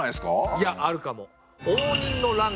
いやあるかも。